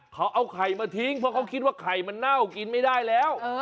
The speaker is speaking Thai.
เขาเอาไข่มาทิ้งเพราะเขาคิดว่าไข่มันเน่ากินไม่ได้แล้ว